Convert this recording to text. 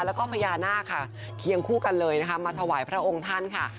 แล้วก็พญานาคค่ะเคียงคู่กันเลยนะคะมาถวายพระองค์ท่านค่ะ